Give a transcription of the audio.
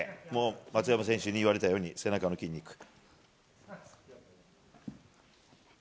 松山選手に言われたように背中の筋肉。